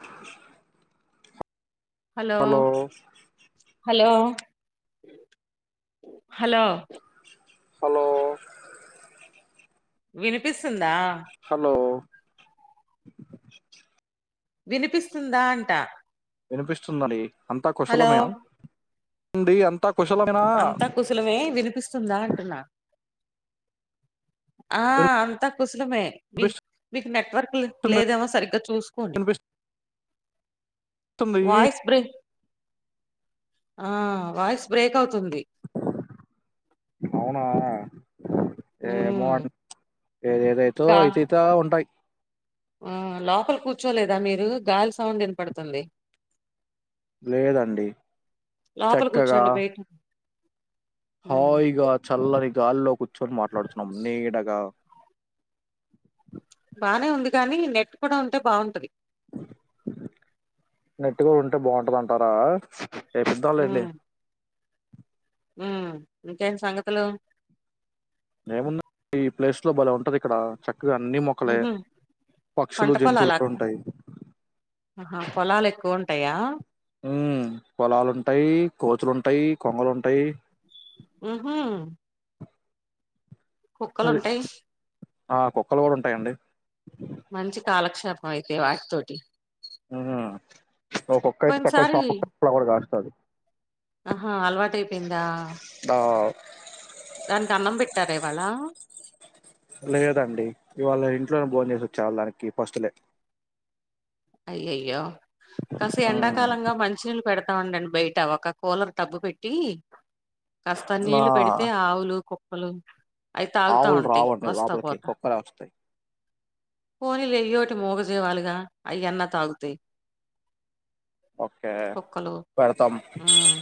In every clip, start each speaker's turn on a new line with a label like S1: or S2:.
S1: ఆ hello
S2: hello hello
S1: hello
S2: వినిపిస్తుందా
S1: hello
S2: వినిపిస్తుందా అంటా
S1: వినిపిస్తున్నది అంతా కుశలమే అడి అంత
S2: అంతా కుశలమే వినిపిస్తుందా అంటున్నా ఆ అంతా కుశలమే మీ
S1: వినిపిస్తుంది
S2: మీకు నెటవరర్క్ లేదేమో సరిగ్గా చూసుకోండి
S1: వినిపిస్తుంది
S2: వాయిస్ బ్రేక్ ఆ వాయిస్ బ్రేక్ అవుతు
S1: అవునా ఏమో
S2: ఉమ్
S1: ఏదేదేతో అయితయిత ఉంటాయి
S2: ఆహ్ లోపల కూర్చోలేదా మీరు. గాలి సౌండ్ ఇనాపడుతుంది.
S1: లేదండి
S2: లోపల
S1: చక్కగా
S2: కూర్చోండి. బయట్
S1: హాయిగా చల్లని గాల్లో కూర్చొని మాట్లాడుతున్నాం. నీడగా
S2: ప్చ్ బానే ఉంది కానీ. నెట్ కూడా ఉంటే బాగుంటది.
S1: నెట్టు కూడా ఉంటే బాగుంటదాంటారా రేపు ఇద్దాంలెండి
S2: ఉమ్ ఉమ్ ఇంకేం సంగతులు
S1: ఏముందండి. ఈ ప్లేస్ లో బాలే ఉంటదిక్కడ. చక్ ఇక్కడ అన్ని మొక్కలే,
S2: ఉహు పంట
S1: పక్షులు, జంతువులు
S2: పొలాలా అక్క
S1: కూడ్ ఉంటాయి.
S2: ఆహా పొలాలు ఎక్కువ్ ఉంటాయా.
S1: ఉమ్ పొలాలుంటాయి, కోతులుంటాయి, కొంగలుంటాయి.
S2: ఉహ్ హు
S1: అది
S2: కుక్కలుంటయి.
S1: ఆ కుక్కలు కూడా ఉంటాయండి.
S2: మంచి కాలక్షేపం అయితే వాటితోటి.
S1: ఉమ్ ఓ కుక్క అయితే పిక్క [unintelligible]
S2: పోయినసారి
S1: షాక్క కూడా కాస్తది
S2: ఆహా అలవాటయిపోయిందా.
S1: ఆ
S2: దానికి అన్నం పెట్టారా. ఇవాళ
S1: లేదండి ఇవాళ ఇంట్లోనే భోన్ చేసోచ్చ. వాళ్ళ దానికి పస్తులే
S2: అయ్యయ్యో కాస్త
S1: మ్మ్
S2: ఎండాకాలంగా. మంచినీళ్ళు పెడత్ తా ఉండండి బయట. ఒక కూలర్ టబ్బు పెట్టి కాస్త
S1: ఆ
S2: నీళ్లు పెడితే. ఆవులు, కుక్కలు అయి తాగుతా
S1: ఆవులు
S2: ఉంటాయి.
S1: రావండి
S2: వస్తా
S1: లోపలికి
S2: పోత
S1: కుక్కలే వస్తాయి
S2: పోనీలే ఎయ్యోటి మోగజీవాలుగా. అయ్యన్న తాగుతాయి.
S1: ఓకే
S2: కుక్కలు
S1: పెడతం.
S2: ఉమ్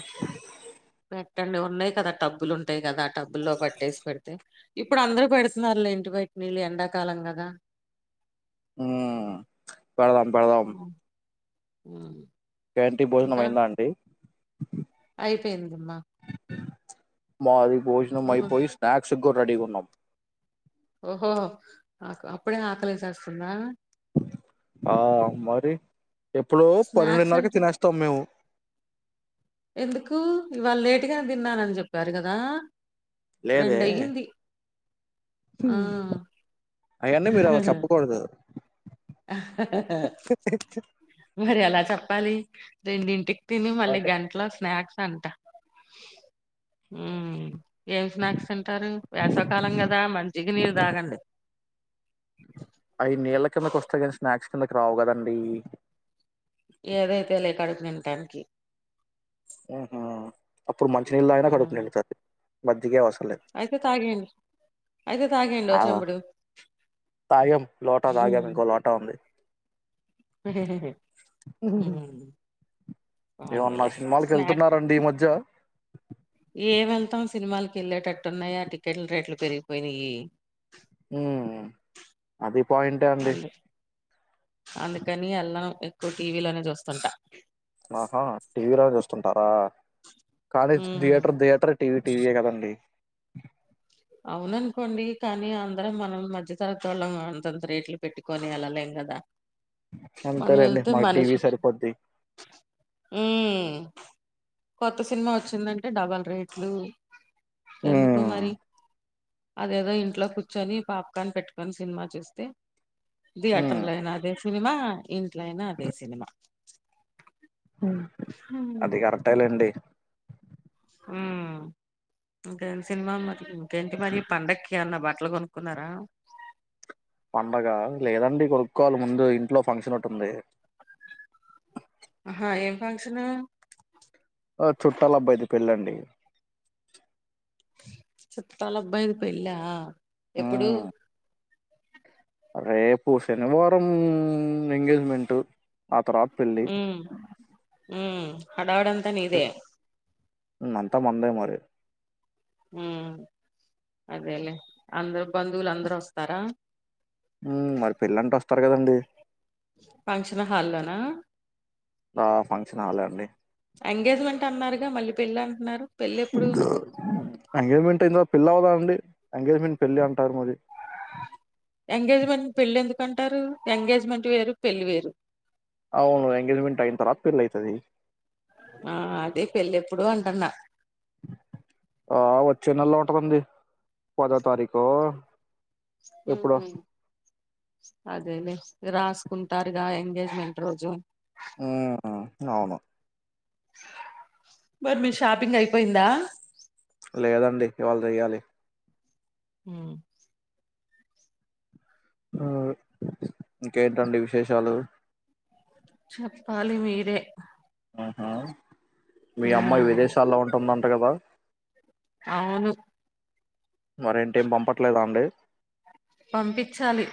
S2: పెట్టండి ఉన్నాయి కదా. టబ్బులు ఉంటాయి కదా. ఆ టబ్బుల్లో పట్టేసి పెడితే. ఇప్పుడు అందరూ పెడుతున్నారులే, ఇంటి బైట నీళ్ళు ఎండాకాలం గాదా.
S1: ఉమ్ పెడదాం, పెడదాం.
S2: హ్మ్మ్
S1: ఏంటీ భోజనం అయిందా అండి.
S2: అయిపోయింద్మ్మా.
S1: మాది భోజనం అయిపోయి. స్నాక్స్కి గూడా రెడీగున్నం.
S2: ఓహో హ ఆక్ అప్పుడే ఆకలేసేస్తుందా.
S1: ఆ మరి ఎప్పుడో
S2: స్నాక్స్
S1: పన్నెండున్నరకే
S2: అంటే
S1: తినేస్తాం. మేము
S2: ఎందుకు ఇవాళ లేటుగానే తిన్నానని చెప్పారు గాదా.
S1: లేదే
S2: రెండయ్యింది ఆ
S1: అవన్నీ మీరు అలా చెప్పకూడదు
S2: మరి ఎలా చెప్పాలి. రెండింటిక్ తిని మళ్ళీ
S1: అంటే
S2: గంట్లో స్నాక్స్ అంట. ఉమ్ ఏం స్నాక్స్ తింటారు. వేసాకాలం కదా మన్జగ్నీర్ తాగండి.
S1: అయి నీళ్లక్ తెగని స్నాక్స్ కిందకి రావు కదండి.
S2: ఏదైతేలే కడుపు నింటానికి.
S1: ఉహు అప్పుడు మంచి నీళ్ళు తాగిన కడుపు
S2: హ్మ్.
S1: నిండుతాది. మజ్జిగే అవస్
S2: అయితే తాగేండి. అయితే తాగేండి ఓ
S1: ఆ
S2: చెంబుడు.
S1: తాగాం లోటా
S2: ఉహ్ హు
S1: తాగాం ఇంకో లోటా ఉంది
S2: ఉహ్మ్
S1: ఏవన్నా సినిమాలకి వెళ్తున్నారండి ఈ మధ్య
S2: ఏం వెళ్తాం సినిమాలకి వెళ్ళేటట్టున్నాయా టికెట్ల రేట్లు పెరిగిపోయినయి
S1: ఉమ్ అది పాయింటే అండి
S2: అందు అందుకని ఎల్లం ఎక్కువ టీవీలోనే చూస్తుంటా
S1: టరా కానీజ్
S2: హ్మ్.
S1: థియేటర్ థియేటరే టీవీ టీవీయే కదండి
S2: అవుననుకోండి కానీ అందరం మనం మధ్య తరగతోళ్ళం అంతంత రేట్లు పెట్టుకొని ఎల్లలేం కదా మనం
S1: అంతేలేండి
S2: వెళ్తే
S1: మాకు టీవీ
S2: మనిషి
S1: సరిపోద్ది
S2: మ్ కొత్త సినిమా వచ్చిందంటే డబల్ రేట్లు
S1: ఉమ్
S2: ఎందుకు మరి అదేదో ఇంట్లో కూర్చొని, పాప్కార్న్ పెట్టుకొని సినిమా చూస్తే
S1: ఉమ్
S2: థియేటర్లో అయినా అదే సినిమా ఇంట్లో అయినా అదే సినిమా
S1: అది కరెక్టే లేండి
S2: ఉమ్ ఇంక సినిమా మరి ఇంకేంటి మరి పండకి కి ఏమన బట్టలు కొనుక్కున్నారా
S1: పండగ లేదండి కొడుక్కోవాలి ముందు ఇంట్లో ఫంక్షన్ ఒక్కటి ఉంది
S2: ఆహా ఏం ఫంక్షను
S1: ఆ చుట్టాల అబ్బాయిది పెళ్ళండి
S2: చుట్టాలబ్బాయిది పెళ్లా ఎప్పుడు
S1: ఉమ్ రేపు శనివారం ఎంగేజ్మెంటు ఆ తర్వాత పెళ్ళి
S2: ఉమ్ హడావిడి అంత నీదే
S1: అంతా మందే మరి
S2: ఉమ్ అదేలే అందరు బంధువులు అందరు వస్తారా
S1: ఉమ్ మరి పెళ్ళంటే వస్తారు కదండి
S2: ఫంక్షన్ హాల్ లోనా
S1: ఆ ఫంక్షన్ హాలే అండి
S2: ఎంగేజ్మెంట్ అన్నారుగా మళ్ళీ పెళ్ళి అంటున్నారు పెళ్ళి ఎప్పుడు
S1: ఎంగేజ్మెంట్ అయిందా పెళ్లి అవ్వదా అండి ఎంగేజ్మెంట్ పెళ్ళి అంటారు మరి
S2: ఎందుకు అంటారు ఎంగేజ్మెంట్ వేరు పెళ్లి వేరు
S1: అవును ఎంగేజ్మెంట్ అయినా తర్వాత పెళ్ళి అయితది
S2: ఆ అదే పెళ్లి ఎప్పుడు అంటన్న
S1: ఆ వచ్చే నెలలో ఉంటది అండి పదో తారీకో
S2: ఉమ్ హు అదే లే రాసుకుంటారుగా ఎంగేజ్మెంట్ రోజు
S1: ఉమ్ అవును
S2: మరి మీ షాపింగ్ అయిపోయిందా
S1: లేదండి ఇవాళ చెయ్యాలి
S2: ఉమ్
S1: ఉమ్ ఇంకేంటండి విశేషాలు
S2: చెప్పాలి మీరే
S1: అహా మీ అమ్మాయి విదేశాల్లో ఉంటుంది అంట కదా
S2: అవును
S1: మరేంటి ఏం పంపట్లేదా అండి
S2: పంపించాలి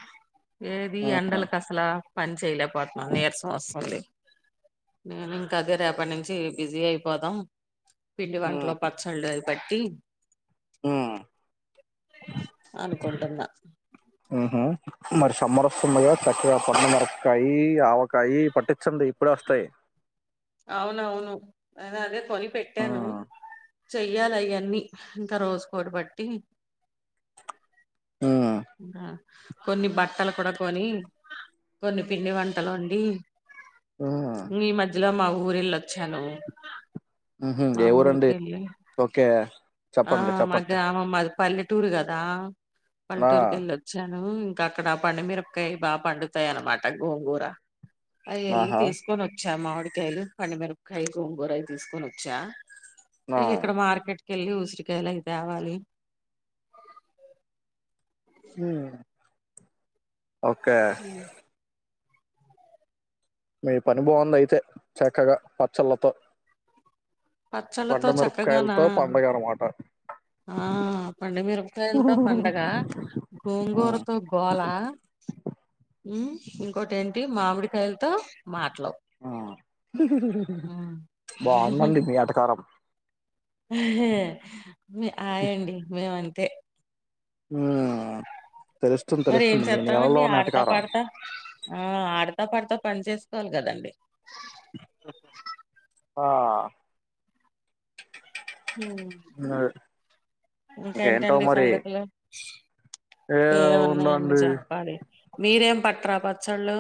S2: ఏది
S1: ఉహు.
S2: ఎండలకు అసలా పని చేయలేకపోతున్నా నీరసం వస్తుంది నేను ఇంకా అదే రేపటి నుంచి బిజీ అయిపోదాం పిండి వంటలు పచ్చళ్ళు అవి పట్టి
S1: ఉమ్
S2: అనుకుంటున్నా
S1: ఊహు మరి సమ్మర్ వస్తుంది గా చక్కగా పండుమిరపకాయి అవ కాయి పాటించండి ఇప్పుడే వస్తాయి
S2: అవునవును నేను అదే కొని పెట్టాను
S1: హ్మ్
S2: చెయ్యాలి అవ్వని ఇంకా రోజుకోటి పట్టి కొన్ని బట్టలు కూడా కొని కొన్ని పిండి వంటలు వండి
S1: హ్మ్
S2: ఈ మధ్యలో మా ఊరు వెళ్ళి వచ్చాను
S1: హుహు ఏ ఊరు అండి ఓకే
S2: ఆ
S1: చెప్పండి
S2: మాది
S1: చెప్పండి
S2: గ్రామమ్ మాది పల్లెటూరు కదా
S1: ఆ
S2: పల్లెటూరుకి వెళ్ళొచ్చ ఇంకా అక్కడ పండు మిరపకాయలు బాగా పండుతాయి అనమాట గోంగూర అవి ఎళ్ళి
S1: ఆహా
S2: తీసుకొని వచ్చా మామిడికాయలు పండుమిరపకాయ గంగురయి తీసుకని వచ్చా
S1: ఆ
S2: ఇగ ఇక్కడ మార్కెట్కెళ్లి ఉ చ్చకాయలు అవి తేవాలి
S1: హ ఓకే మీ పని బాగుంది అయితే చక్కగా పచ్చళ్ళతో
S2: పచ్చళ్లతో
S1: పండు
S2: చక్కగానా
S1: మిరపకాయలతో పండగ అన్నమాట.
S2: ఆ పండు మిరపకాయలతో పండగ గోంగూరతో గోలా ఇంకోటి ఏంటి మామిడికాయలతో మా
S1: ఆ
S2: ఉమ్
S1: బాగుందండి మీ ఎటకారం
S2: ఆయండి మేము అంతే
S1: ఆ
S2: మరి ఏం చెస్తామండి ఆడతా పాడతా ఆ ఆడతా డత పాడతా పని చేసుకోవాలి కదండి
S1: ఆ
S2: హ
S1: ఇంకేంటో
S2: ఇంకేంటండి
S1: మరి
S2: సంగతులు
S1: ఏ
S2: ఏం ఉన్నాయండి
S1: ఉందండి
S2: చెప్పాలి మీరేం పట్రా పచ్చళ్ళు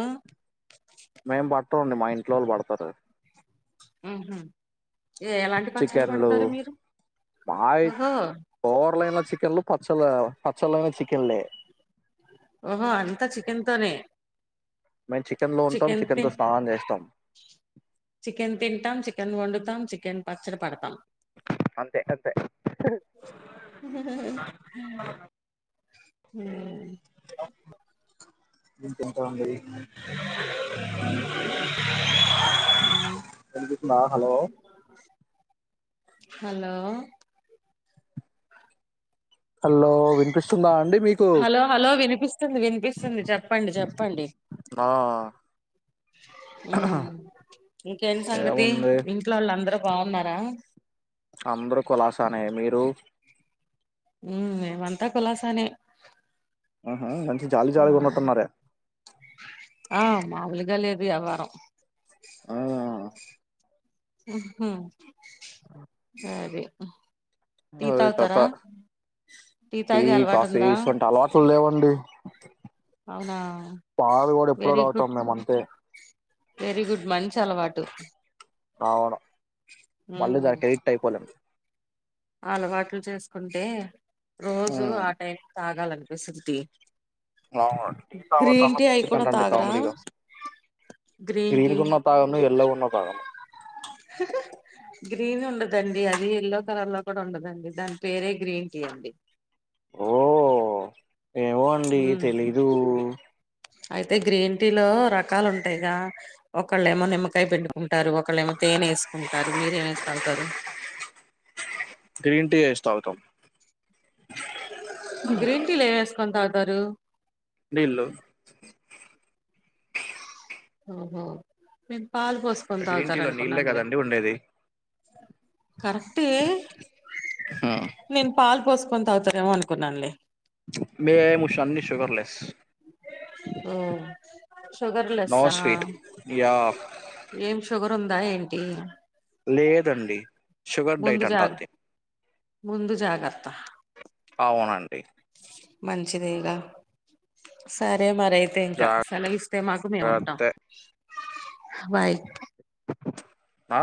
S1: పడతామండి మా ఇంట్లో వాళ్ళు పడతారు
S2: ఉహు ఎలాంటి పచ్చళ్ళు
S1: చికెన్లు
S2: పడతారు మీరు
S1: మాయు
S2: ఓహో
S1: కూర్లైన చికెన్లు ప పచ్చళ్ళు పచ్చలైనా చికెన్లే
S2: ఓహో అంతా చికెన్ తోనే
S1: మేము లో ఉంటాం
S2: చికెన్
S1: తో స్నానం చేస్తాం
S2: చికెన్ తింటాం చికెన్ వండుతా చి చికెన్ పచ్చడి పడతాం [inaudible]
S1: అంతే అంతే
S2: అ హ
S1: ఇంకెంతండి
S2: ఉమ్.
S1: వినిపిస్తుందా హలో
S2: హలో
S1: హలో వినిపిస్తుందా అండి మీకు
S2: హలో హలో వినిపిస్తుంది వినిపిస్తుంది చెప్పండి
S1: ఆ
S2: హ ఇంకేంటి సంగతి
S1: ఏముంది
S2: ఇంట్లో వాళ్ళు అందరు బాగున్నారా
S1: అందరూ కులాసానే మీరు
S2: ఉ మేమంతా కులాసానే
S1: ఆహ మంచి జాలీ జాలీగా ఉన్నట్టున్నారే
S2: ఆ మామూలుగా లేదు ఎవ్వరం
S1: ఆ
S2: అది టీ
S1: అది కత
S2: తాగుతారా
S1: టీ
S2: తాగే అలవాటు
S1: కాఫీ
S2: ఉందా
S1: ఇటువంటి అలవాట్లు లేవండి
S2: అవునా
S1: పాలు కూడా ఎప్పుడో
S2: వెరీ
S1: తాగుతాం
S2: గుడ్
S1: మేము అంతే
S2: వెరీ గుడ్ మంచి అలవాటు
S1: అవును మళ్ళీ
S2: ఉమ్
S1: దానికి అడిక్ట్ అయిపోలేం
S2: అలవాట్లు చేసుకుంటే రోజు ఆ టైం తాగాలని
S1: ీతా
S2: గ్రీన్ టీ అయి కూడా
S1: తల్లపుచ్చుతంటండి
S2: తాగరా
S1: కామెడీగా [unintelligible] గ్రీన్ గున్న తాగను ఎల్లో గున్న తాగను
S2: [inaudible] గ్రీన్ ఉండదండి అది ఎల్లో కలర్ లో కూడా ఉండదండి దాని పేరే గ్రీన్ టీ అండి
S1: ఓ ఏమో అండి
S2: ఉమ్
S1: తెలీదు
S2: అయితే గ్రీన్ టీ లో రకాలు ఉంటాయిగా ఒకళ్ళేమో నిమ్మకాయ పెట్టుకుంటారు ఒకళ్ళేమో తేనె ఏనేేసుకుంటారు మీరేమి వేసి తాగుతారు
S1: గ్రీన్ టీ వేసి తాగుతాం
S2: గ్రీన్ టీలు ఏం వేసుకొని తాగుతారు
S1: నీళ్ళు
S2: ఓహో పాలు పోసుకొని
S1: గ్రీన్
S2: తాగుతారు
S1: టీలో నీళ్ళే
S2: అనుకున్నానులే
S1: కదండి ఉండేది
S2: కరెక్ట్ నేను పాల్ పోస్ తాగుతారేమో అనుకున్నానులే
S1: మే ము షన్ని షుగర్లేెస్
S2: ఉ
S1: నో
S2: షుగర్లెస్సా
S1: స్వీట్ యా
S2: ఏం షుగర్ ఉందా ఏంటి
S1: లేదండి షుగర్ డైట్
S2: ముందు
S1: అంటారు
S2: జాగ్
S1: దిన్ని
S2: ముందు జాగ్రత్త
S1: అవునండి
S2: మంచిదేగా సరే మరి అయితే ఇంకా సెలవిస్తే మాకు మేము ఉంటాం
S1: జాగ్రత్త
S2: బాయ్
S1: అ